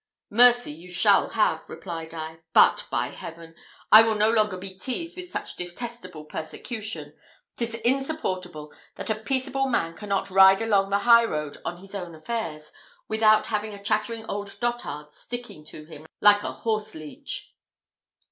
"Mercy you shall have," replied I; "but, by Heaven! I will no longer be teased with such detestable persecution. 'Tis insupportable, that a peaceable man cannot ride along the high road on his own affairs, without having a chattering old dotard sticking to him like a horse leech!"